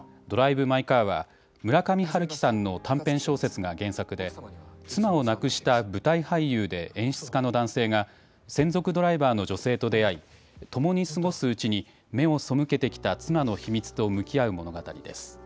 ドライブ・マイ・カーは、村上春樹さんの短編小説が原作で、妻を亡くした舞台俳優で演出家の男性が、専属ドライバーの女性と出会い、共に過ごすうちに、目を背けてきた妻の秘密と向き合う物語です。